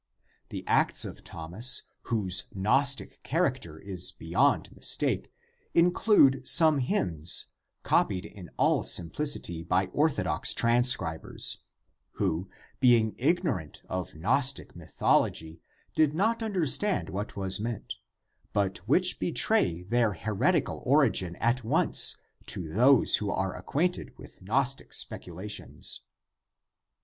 The Acts of Thomas, whose Gnostic char acter is beyond mistake, include some hymns, copied in all simplicity by orthodox transcribers, who, being ignorant of Gnostic mythology, did not understand what was meant, but which betray their heretical origin at once to those who are acquainted with Gnostic speculations.